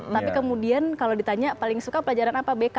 tapi kemudian kalau ditanya paling suka pelajaran apa bk